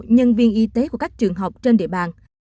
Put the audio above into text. nhân viên y tế của các trường học trên địa bàn